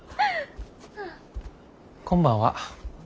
こんばんは。